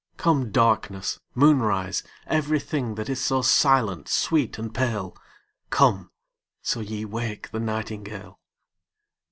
Come darkness, moonrise, every thing That is so silent, sweet, and pale: Come, so ye wake the nightingale.